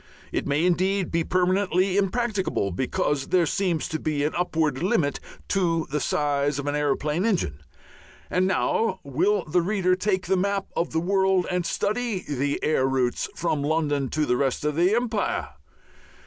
It may indeed be permanently impracticable because there seems to be an upward limit to the size of an aeroplane engine. And now will the reader take the map of the world and study the air routes from London to the rest of the empire?